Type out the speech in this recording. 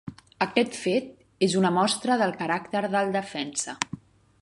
Aquest fet és una mostra del caràcter del defensa.